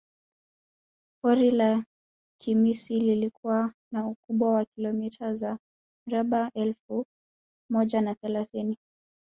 Pori la Kimisi likiwa na ukubwa wa kilomita za mraba elfu moja na thelathini